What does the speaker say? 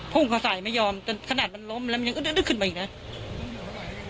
พุ่งเข้าใส่ไม่ยอมจนขนาดมันล้มแล้วมันยังอึดขึ้นมาอีกนะ